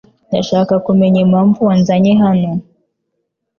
Ndashaka kumenya impamvu wanzanye hano .